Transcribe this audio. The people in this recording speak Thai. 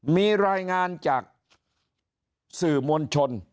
มีรายงานจากสื่อมวลชน